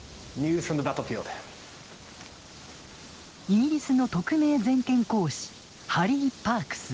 イギリスの特命全権公使ハリー・パークス。